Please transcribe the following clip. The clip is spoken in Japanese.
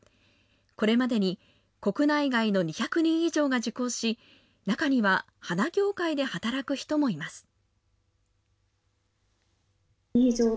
これまでに国内外の２００人以上が受講し、中には花業界で働く人もいます。